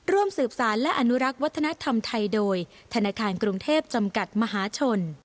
ร่วมสืบสารและอนุรักษ์วัฒนธรรมไทยโดยธนาคารกรุงเทพจำกัดมหาชน